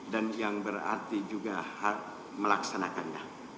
dan yang berarti juga melaksanakannya